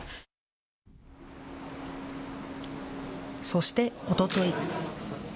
そして、おととい。